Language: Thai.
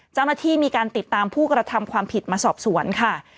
เจ้าหน้าที่มีการติดตามผู้กระทำความผิดมาสอบสวนค่ะ